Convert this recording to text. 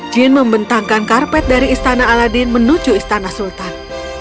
jin membentangkan karpet dari istana aladin menuju istana sultan